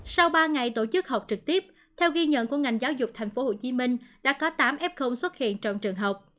sau ba ngày tổ chức học trực tiếp theo ghi nhận của ngành giáo dục tp hcm đã có tám f xuất hiện trong trường học